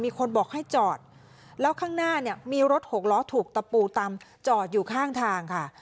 มีคนบอกให้จอดแล้วข้างหน้าเนี่ยมีรถหกล้อถูกตะปูตำจอดอยู่ข้างทางค่ะ